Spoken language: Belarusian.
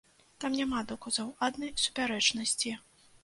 Там няма доказаў, адны супярэчнасці.